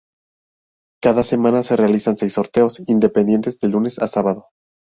Cada semana se realizan seis sorteos independientes, de lunes a sábado.